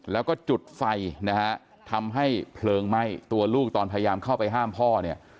แล้วก็จุดไฟนะฮะทำให้เพลิงไหม้ตัวลูกตอนพยายามเข้าไปห้ามพ่อเนี่ย